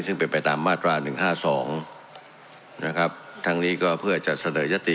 ซึ่งเป็นไปตามมาตราหนึ่งห้าสองนะครับทั้งนี้ก็เพื่อจะเสนอยติ